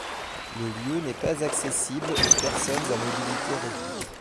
Le lieu n'est pas accessible aux personnes à mobilité réduite.